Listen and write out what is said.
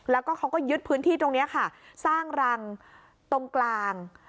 แล้วก็เขาก็ยึดพื้นที่ตรงนี้ค่ะสร้างรังตรงกลาง